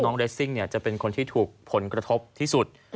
เรสซิ่งจะเป็นคนที่ถูกผลกระทบที่สุด